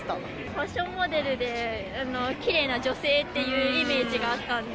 ファッションモデルで、きれいな女性っていうイメージがあったんで。